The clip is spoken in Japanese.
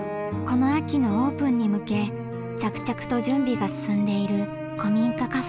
この秋のオープンに向け着々と準備が進んでいる古民家カフェ。